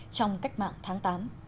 trong cách mạng tháng tám